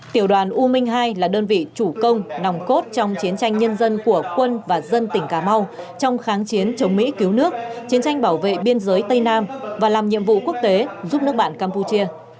tiểu đoàn u minh hai là đơn vị chủ công nòng cốt trong chiến tranh nhân dân của quân và dân tỉnh cà mau trong kháng chiến chống mỹ cứu nước chiến tranh bảo vệ biên giới tây nam và làm nhiệm vụ quốc tế giúp nước bạn campuchia